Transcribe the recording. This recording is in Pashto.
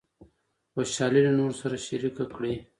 خوشحالي له نورو سره شریکه کړئ.